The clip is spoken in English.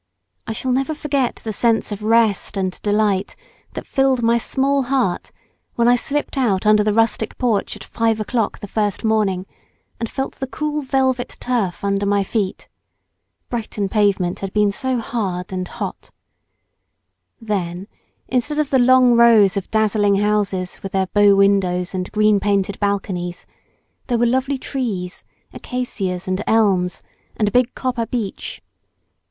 I shall never forget the sense of rest and delight that filled my small heart when I slipped out under the rustic porch at five o'clock the first morning, and felt the cool velvet turf under my feet. Brighton pavement had been so hard and hot. Then, instead of the long rows of dazzling houses with their bow windows and green painted balconies, there were lovely trees acacias and elms, and a big copper beech.